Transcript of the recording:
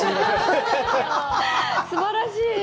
すばらしい。